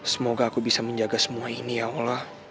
semoga aku bisa menjaga semua ini ya allah